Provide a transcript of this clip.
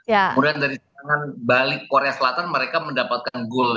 kemudian dari serangan balik korea selatan mereka mendapatkan goal